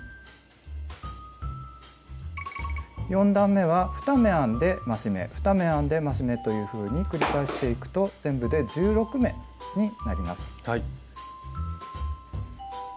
４段めは２目編んで増し目２目編んで増し目というふうに繰り返していくと全部で１６目になります。